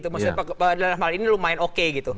maksudnya dalam hal ini lumayan oke gitu